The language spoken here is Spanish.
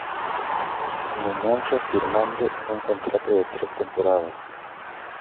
Numancia firmando un contrato de tres temporadas.